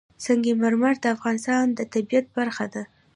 سنگ مرمر د افغانستان د طبیعت برخه ده.